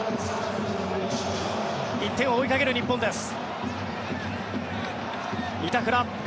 １点を追いかける日本です。